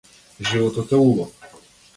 Животот е убав.